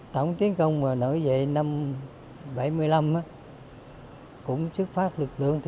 tổng chiến công nổi dậy năm một nghìn chín trăm bảy mươi năm cũng sức phát lực lượng